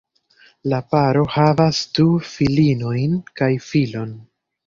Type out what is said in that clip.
La paro havas du filinojn kaj filon.